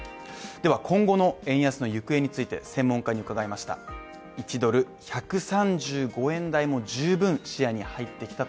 では今後の円安の行方について専門家に伺いました。